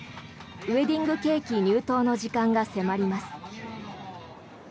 ウェディングケーキ入刀の時間が迫ります。